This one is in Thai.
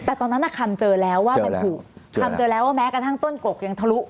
แต่ตอนนั้นคำเจอแล้วว่ามันผูกคำเจอแล้วว่าแม้กระทั่งต้นกกยังทะลุ